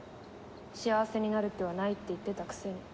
幸せになる気はないって言ってたくせに。